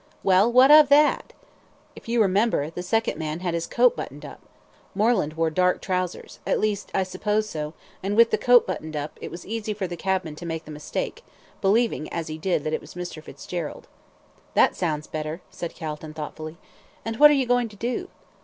"Well, what of that?" "If you remember, the second man had his coat buttoned up. Moreland wore dark trousers at least, I suppose so and, with the coat buttoned up, it was easy for the cabman to make the mistake, believing, as he did, that it was Mr. Fitzgerald." "That sounds better," said Calton, thoughtfully. "And what are you going to do?"